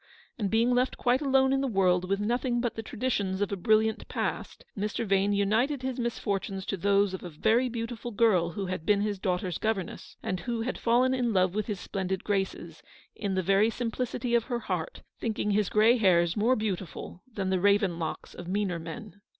And being left quite alone in the world, with nothing but the traditions of a brilliant past, Mr. Vane united his misfortunes to those of a very beautiful girl who had been his daughter's governess, and who had fallen in love with his splendid graces, in the very simplicity of her heart, thinking his grey hairs more beautiful than the raven locks of meaner men.